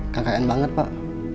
kkn banget pak